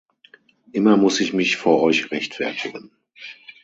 Immer muss ich mich vor euch rechtfertigen!